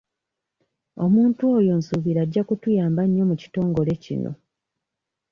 Omuntu oyo nsuubira ajja kutuyamba nnyo mu kitongole kino.